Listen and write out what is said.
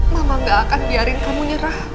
mama gak akan biarin kamu nyerah